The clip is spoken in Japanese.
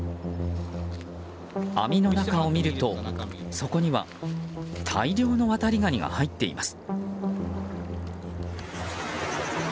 網の中を見ると、そこには大量のワタリガニが入っています。